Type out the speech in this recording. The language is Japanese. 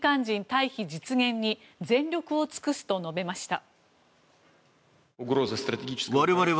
退避実現に全力を尽くすと述べました。